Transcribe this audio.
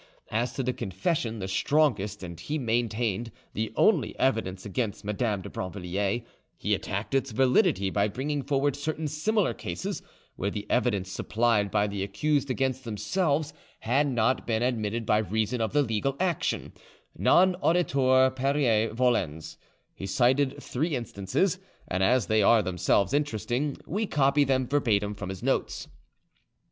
As to the confession, the strongest and, he maintained, the only evidence against Madame de Brinvilliers, he attacked its validity by bringing forward certain similar cases, where the evidence supplied by the accused against themselves had not been admitted by reason of the legal action: 'Non auditur perire volens'. He cited three instances, and as they are themselves interesting, we copy them verbatim from his notes.